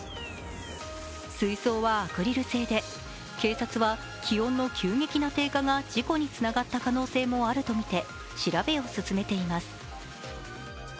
水槽はアクリル製で警察は気温の急激な低下が事故につながった可能性もあるとみて調べを進めています。